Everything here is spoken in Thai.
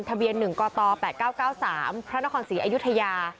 ทะเบียนหนึ่งก่อตอแปดเก้าเก้าสามพระนครศรีอยุธยา